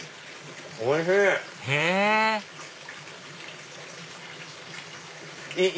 おいしい！